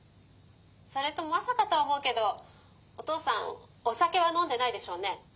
それとまさかとは思うけどお父さんおさけはのんでないでしょうね？」。